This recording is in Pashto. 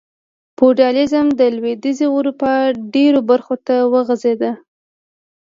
فیوډالېزم د لوېدیځې اروپا ډېرو برخو ته وغځېد.